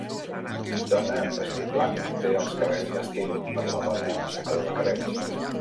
Dona en vestit blanc té els cabells d'estil per la dona amb assecador de cabells.